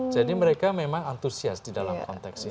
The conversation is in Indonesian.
mereka memang antusias di dalam konteks ini